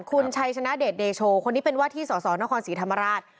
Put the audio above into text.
คุณชัยชนะเดชเดโชคนนี้เป็นว่าที่สสนครศรีธรรมราช